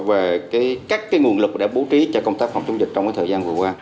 về các cái nguồn lực để bố trí cho công tác phòng chống dịch trong cái thời gian vừa qua